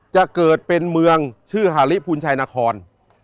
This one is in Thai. จะเกิดเป็นเมืองชื่อฮาริพูนชัยนคร